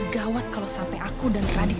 gawat kalau sampai aku dan radik